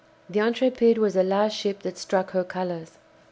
The 'Intrépide' was the last ship that struck her colours."